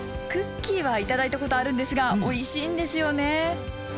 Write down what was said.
クッキーは頂いたことあるんですがおいしいんですよね。